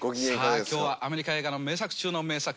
今日はアメリカ映画の名作中の名作